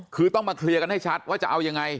คือต้องมาเคลียร์กันให้ชัดว่าจะเอายังไง